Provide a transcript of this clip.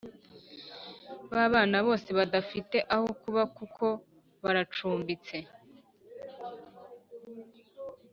babana bose badafite aho kuba kuko baracumbitse